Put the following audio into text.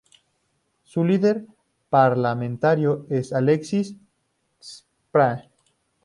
Su líder parlamentario es Alexis Tsipras.